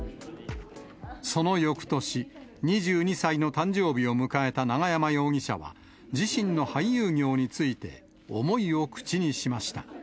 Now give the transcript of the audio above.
そのよくとし、２２歳の誕生日を迎えた永山容疑者は、自身の俳優業について思いを口にしました。